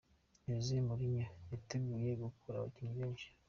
Jose Mourinho yiteguye kugura abakinnyi benshi.